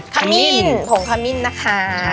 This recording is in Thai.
ขมิ้นผงขมิ้นนะคะ